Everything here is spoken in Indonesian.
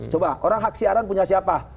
coba orang hak siaran punya siapa